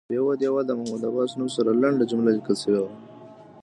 پر یوه دیوال د محمود عباس نوم سره لنډه جمله لیکل شوې وه.